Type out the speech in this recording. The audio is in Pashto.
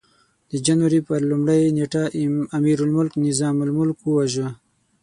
د جنوري پر لومړۍ نېټه امیرالملک نظام الملک وواژه.